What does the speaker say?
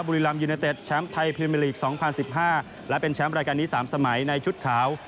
บุรีรัมยูเนเต็ดแชมป์ไทยพรีเมอร์ลีก๒๐๑๕และเป็นแชมป์รายการนี้๓สมัยในชุดขาว